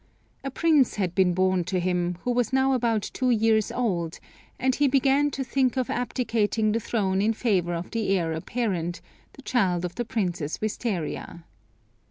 A prince had been born to him, who was now about two years old, and he began to think of abdicating the throne in favor of the Heir apparent, the child of the Princess Wistaria.